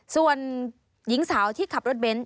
ส่วนหญิงสาวที่ขับรถเบนท์